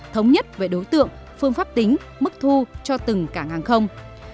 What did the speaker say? thống nhất về đối tượng phương pháp tính mức thu cho từng cảng hàng không